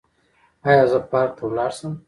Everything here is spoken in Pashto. ایا زه پارک ته لاړ شم؟